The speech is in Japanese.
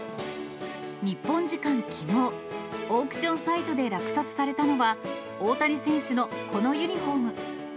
日本時間きのう、オークションサイトで落札されたのは、大谷選手のこのユニホーム。